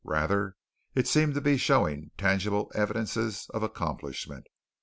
Rather it seemed to be showing tangible evidences of accomplishment.